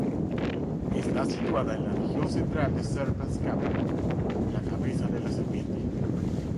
Está situada en la región central de Serpens Caput, la cabeza de la serpiente.